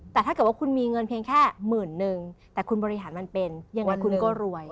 แต่ถ้าเกิดว่าคุณมีเงินเพียงแค่หมื่นนึงแต่คุณบริหารมันเป็นยังไงคุณก็รวย